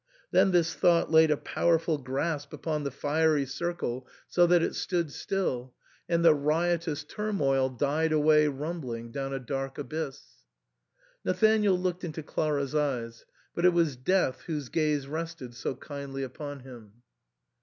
Then this thought laid a powerful grasp upon the fiery circle so THE SAND'MAN. 193 that it stood still, and the riotous turmoil died away rumbling down a dark abyss. Nathanael looked into Clara's eyes ; but it was death whose gaze rested so kindly upon him.